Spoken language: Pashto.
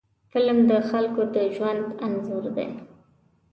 فلم د خلکو د ژوند انځور دی